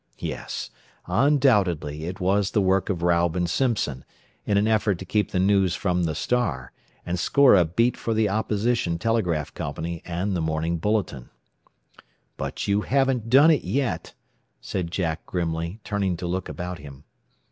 Yes; undoubtedly it was the work of Raub and Simpson, in an effort to keep the news from the "Star," and score a "beat" for the opposition telegraph company and the "Morning Bulletin." "But you haven't done it yet," said Jack grimly, turning to look about him.